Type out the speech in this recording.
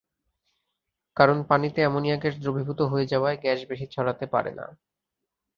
কারণ, পানিতে ammonia gas দ্রবীভূত হয়ে যাওয়ায় গ্যাস বেশি ছড়াতে পারে না।